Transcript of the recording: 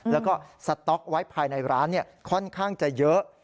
แล้วก็สต๊อกไว้ภายในร้านค่อนข้างจะเยอะ